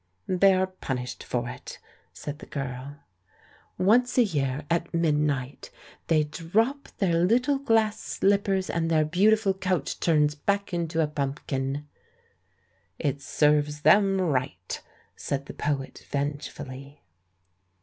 "They are punished for it," said the girl. "Once a year at midnight they drop their little. SM THE MAN WHO UNDERSTOOD WOMEN glass slippers, and their beautiful coach turns back into a pumpkin." "It serves them right," said the poet venge fully.